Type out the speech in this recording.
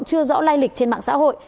chưa rõ lai lịch trên mạng xã hội